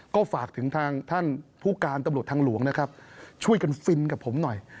ก็ฝากถึงทางท่านผู้การตำรวจทางหลวงนะครับช่วยกันฟินกับผมหน่อย